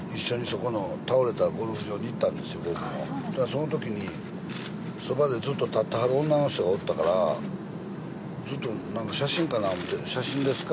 その時にそばでずっと立ってはる女の人がおったからずっと写真かなと思って写真ですか？